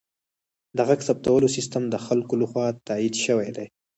د غږ ثبتولو سیستم د خلکو لخوا تایید شوی دی.